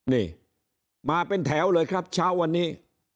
นี่มาเป็นแถวเลยครับเช้าวันนี้